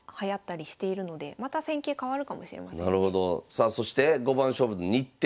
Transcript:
さあそして五番勝負の日程